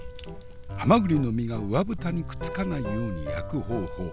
はまぐりの身が上蓋にくっつかないように焼く方法。